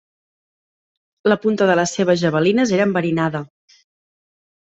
La punta de les seves javelines era enverinada.